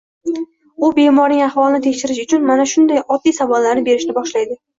U bemorning ahvolini tekshirish uchun mana shunday oddiy savollarni berishni boshlaydi